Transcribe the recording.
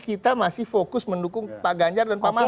kita masih fokus mendukung pak ganjar dan pak maruf